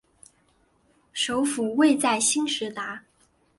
首府位在兴实达。